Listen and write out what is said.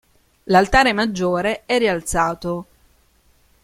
L'altare maggiore è rialzato.